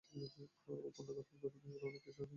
ও পর্নোগ্রাফির ব্যাপারে অনেক কিছু জানে।